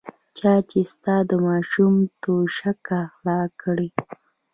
چا چې ستا د ماشوم توشکه غلا کړې.